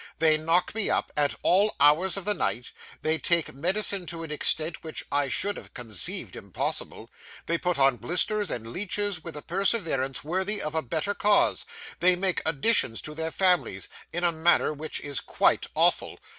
'They knock me up, at all hours of the night; they take medicine to an extent which I should have conceived impossible; they put on blisters and leeches with a perseverance worthy of a better cause; they make additions to their families, in a manner which is quite awful.